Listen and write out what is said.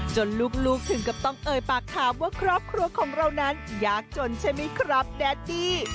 ลูกถึงกับต้องเอ่ยปากถามว่าครอบครัวของเรานั้นยากจนใช่ไหมครับแดดดี้